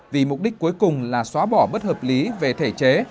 vì mục đích cuối cùng là xóa bỏ bất hợp lý về thể chế